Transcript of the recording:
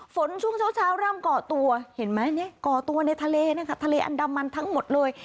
ช่วงเช้าเริ่มก่อตัวเห็นไหมก่อตัวในทะเลนะคะทะเลอันดามันทั้งหมดเลย